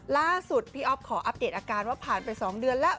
ล่าสุดพี่อ๊อฟขออัปเดตอาการว่าผ่านไป๒เดือนแล้ว